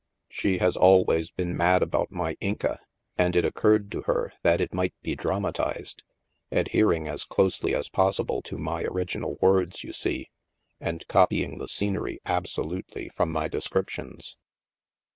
She has al ways been mad about my * Inca,' and it occurred to her that it might be dramatized — adhering as closely as possible to my original words, you see, and copying the scenery absolutely from my descrip tions.